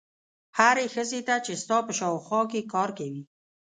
هرې ښځې ته چې ستا په شاوخوا کې کار کوي.